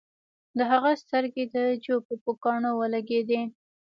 د هغه سترګې د جو په پوکاڼو ولګیدې